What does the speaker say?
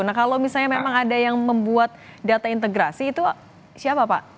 nah kalau misalnya memang ada yang membuat data integrasi itu siapa pak